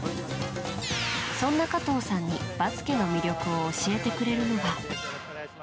そんな加藤さんにバスケの魅力を教えてくれるのは。